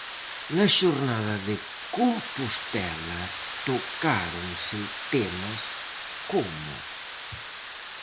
Na xornada de Compostela tocáronse temas como: